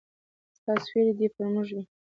ستا سیوری دي پر موږ وي